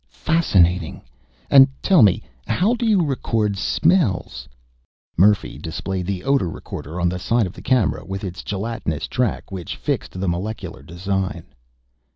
"Fascinating! And tell me how do you record smells?" Murphy displayed the odor recorder on the side of the camera, with its gelatinous track which fixed the molecular design.